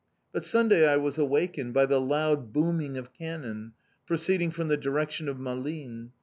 But Sunday I was awakened by the loud booming of cannon, proceeding from the direction of Malines.